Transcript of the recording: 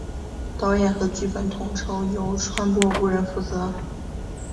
导演和剧本统筹由川波无人负责。